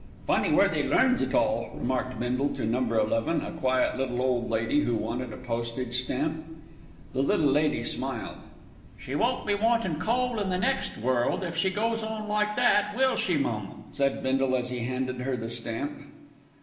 "Funny where they learns it all," remarked Bindle to Number Eleven, a quiet little old lady who wanted a postage stamp. The little lady smiled. "She won't be wantin' coal in the next world if she goes on like that, will she, mum?" said Bindle as he handed her the stamp.